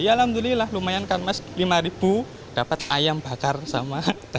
ya alhamdulilah lumayan kan mas dapet ayam bacar sama tay